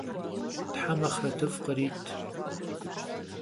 Them axhretıf' khrit.